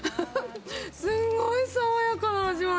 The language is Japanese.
すごい爽やかな味わい。